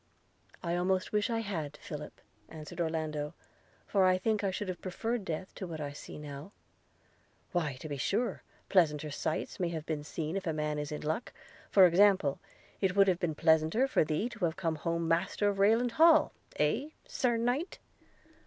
'I almost wish I had, Philip,' answered Orlando, 'for I think I should have preferred death to what I now see.' "Why, to be sure, pleasanter sights may be seen if a man is in luck – For example, it would have been pleasanter for thee to have come home master of Rayland Hall – Eh! Sir Knight?'